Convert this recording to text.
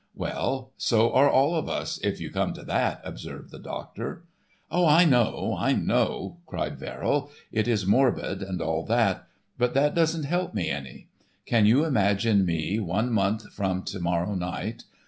"Well, so are all of us, if you come to that," observed the doctor. "Oh, I know, I know," cried Verrill, "it is morbid and all that. But that don't help me any. Can you imagine me one month from to morrow night.